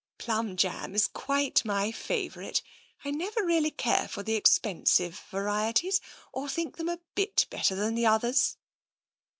" Plimi jam is quite my favourite. I never really care for the expensive varieties, or think them a bit better than the others."